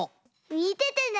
みててね！